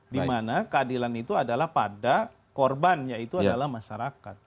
dimana keadilan itu adalah pada korban yaitu adalah masyarakat